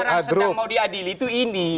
yang sedang mau diadili itu ini